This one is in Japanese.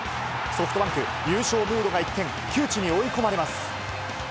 ソフトバンク、優勝ムードが一転、窮地に追い込まれます。